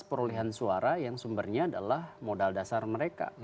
dan probabilitas perolehan suara yang sumbernya adalah modal dasar mereka